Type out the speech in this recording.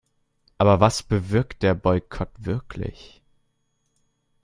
Aber was bewirkt der Boykott wirklich?